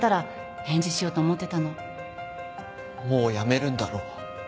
もうやめるんだろ？